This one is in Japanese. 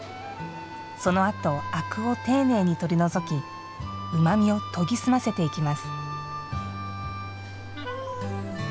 そのあと、あくを丁寧に取り除きうまみを研ぎ澄ませていきます。